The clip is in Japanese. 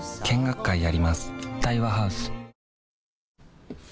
見学会やります